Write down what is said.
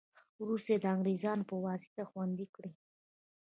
وروسته یې د انګرېزانو په واسطه خوندي کړې.